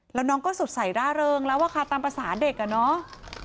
แล้วน้องก็สดใสร่าเริงแล้วอะค่ะตามภาษาเด็กอ่ะเนาะ